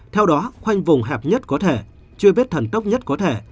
theo đó khoanh vùng hẹp nhất có thể chưa vết thần tốc nhất có thể